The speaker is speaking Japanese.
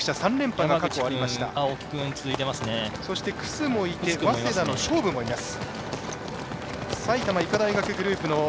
そして、楠もいて早稲田の菖蒲もいます。